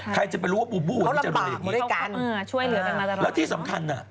ใครจะไปรู้ว่าบูบูจะดังอย่างนี้แล้วที่สำคัญอ่ะ